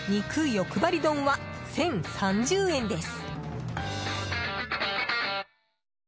よくばり丼は１０３０円です。